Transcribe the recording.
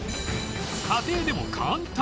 家庭でも簡単！